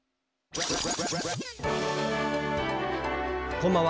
こんばんは。